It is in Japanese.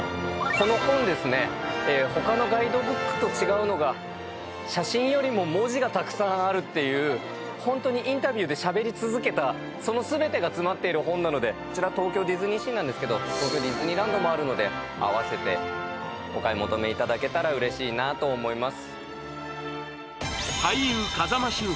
この本は、他のガイドブックと違うのが写真よりも文字がたくさんあるっていう本当にインタビューでしゃべり続けたその全てが詰まっている本なので、こちら東京ディズニーシーなんですけど、東京ディズニーランドもあるので、合わせてお買い求めいただけたらうれしいなと思います。